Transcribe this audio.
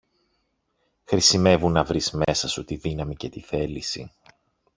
Χρησιμεύουν να βρεις μέσα σου τη δύναμη και τη θέληση